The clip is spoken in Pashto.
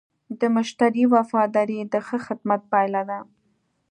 د مشتری وفاداري د ښه خدمت پایله ده.